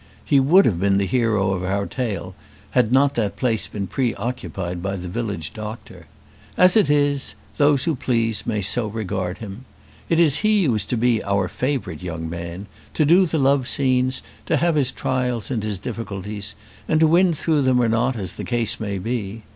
He would have been the hero of our tale had not that place been pre occupied by the village doctor. As it is, those who please may so regard him. It is he who is to be our favourite young man, to do the love scenes, to have his trials and his difficulties, and to win through them or not, as the case may be.